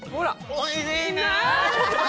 おいしいね。